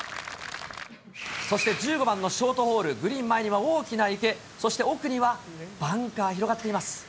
そして、１５番のショートホール、グリーン前には大きな池、そして奥にはバンカー広がっています。